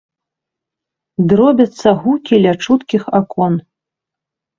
Дробяцца гукі ля чуткіх акон.